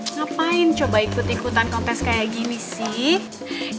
ngapain coba ikut ikutan kontes kayak gini sih